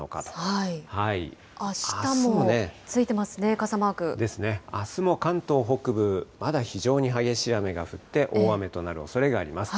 あしたもついてますね、傘マですね、あすも関東北部、まだ非常に激しい雨が降って、大雨となるおそれがあります。